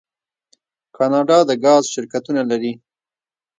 کاناډا د ګاز شرکتونه لري.